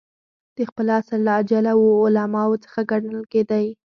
د خپل عصر له اجله وو علماوو څخه ګڼل کېدئ.